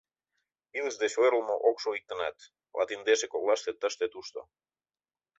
Илыш деч ойырлымо ок шу иктынат, Латиндеше коклаште тыште-тушто